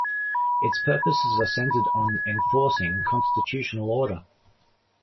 Its purposes are centered on enforcing constitutional order.